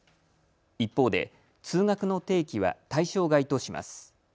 一方で通学の定期は対象外とします。